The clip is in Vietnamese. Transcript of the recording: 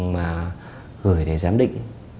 mà gửi để giám định